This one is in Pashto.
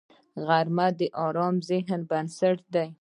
غرمه د ارام ذهن بنسټ دی